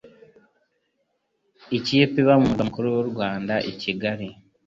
Ikipe iba mumurwa mukuru w'u Rwanda I Kigali